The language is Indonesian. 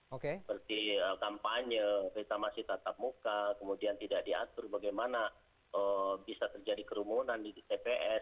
seperti kampanye reklamasi tatap muka kemudian tidak diatur bagaimana bisa terjadi kerumunan di tps